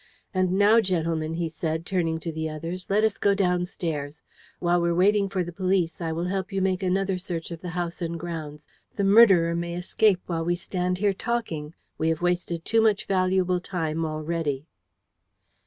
And now, gentlemen," he added, turning to the others, "let us go downstairs. While we are waiting for the police I will help you make another search of the house and grounds. The murderer may escape while we stand here talking. We have wasted too much valuable time already."